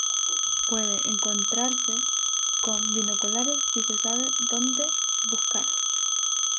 Puede encontrarse con binoculares si se sabe dónde buscar.